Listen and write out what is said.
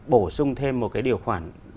bổ sung thêm một điều khoản